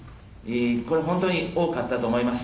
これ、本当に多かったと思います。